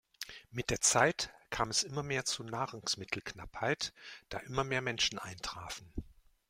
Mit der Zeit kam es immer mehr zur Nahrungsmittelknappheit, da immer mehr Menschen eintrafen.